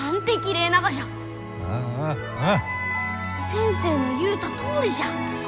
先生の言うたとおりじゃ！